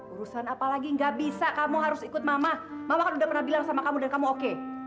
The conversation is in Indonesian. urusan apalagi gak bisa kamu harus ikut mama mama kan udah pernah bilang sama kamu dan kamu oke